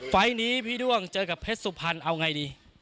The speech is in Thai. ไฟล์นี้พี่ด้วงเจอกับเพชรสุพรรณเอาไงดี